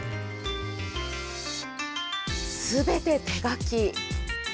すべて手描き。